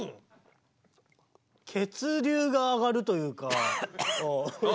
血流が上がるというか。